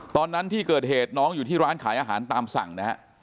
ตอนนั้นที่เกิดเหตุน้องอยู่ที่ร้านขายอาหารตามสั่งนะฮะ